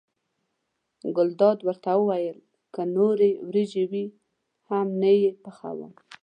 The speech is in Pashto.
ګلداد ورته وویل که نورې وریجې وي هم نه یې پخوم.